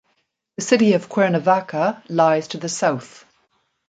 The city of Cuernavaca lies to the south.